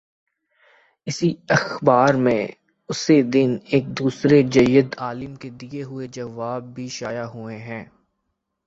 اسی اخبار میں، اسی دن، ایک دوسرے جید عالم کے دیے ہوئے جواب بھی شائع ہوئے ہیں۔